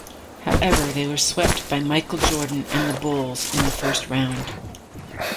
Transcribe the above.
However they were swept by Michael Jordan and the Bulls in the first round.